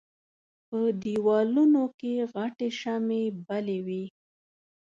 په دېوالونو کې غټې شمعې بلې وې.